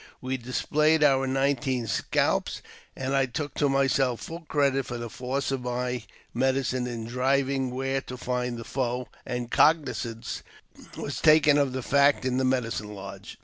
We displayed our nineteen scalps, and I took to myself full credit for the force of my medicine in divining where to find the foe, and cognizance was taken of the fact in the medicine lodge.